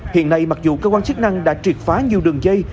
hiện nay mặc dù cơ quan chức năng đã triệt phá nhiều đường dây